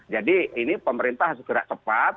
jadi ini pemerintah segera cepat